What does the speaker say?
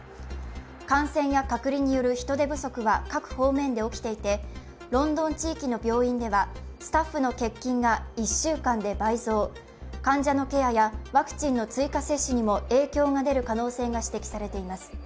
感染や隔離による人手不足は各方面で起きていてロンドン地域の病院ではスタッフの欠勤が１週間で倍増、患者のケアやワクチンの追加接種にも影響が出る可能性が指摘されています。